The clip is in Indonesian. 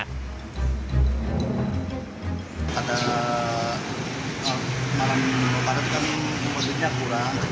pada malam pertamina kami membelinya kurang